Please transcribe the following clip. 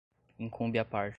incumbe à parte